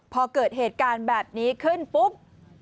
พอเกิดเหตุการณ์แบบนี้ขึ้นปุ๊บ